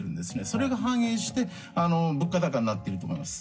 それが反映して物価高になっていると思います。